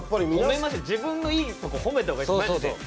自分のいいところ褒めたほうがいいですよ。